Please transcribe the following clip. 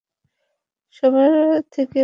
সামনে থেকে ভাগ!